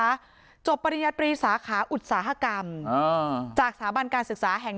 จบปริญญาตรีสาขาอุตสาหกรรมอ่าจากสถาบันการศึกษาแห่ง